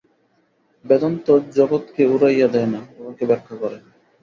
বেদান্ত জগৎকে উড়াইয়া দেয় না, উহাকে ব্যাখ্যা করে।